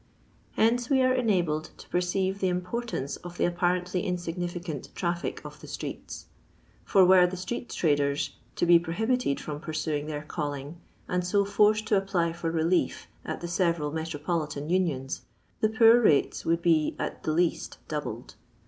Hence, we are enabled to perceive the importance of the apparently insignificant traffic of the streets ; for were the street traders to be prohibited from pursuing their calling, and so forced to apply for relief at the several metropolitan unions, the poor rates would be at the least doubled.